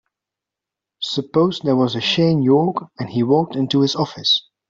Suppose there was a Shane York and he walked into this office.